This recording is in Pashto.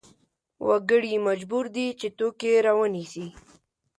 وګړي مجبور دي چې توکې راونیسي.